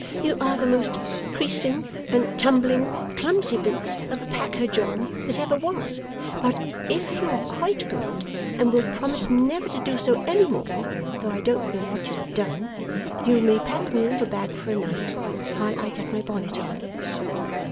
'You are the most creasing and tumbling Clumsy Boots of a packer, John, that ever was; but if you're quite good, and will promise never to do so any more (though I don't know what you have done!) you may pack me a little bag for a night, while I get my bonnet on.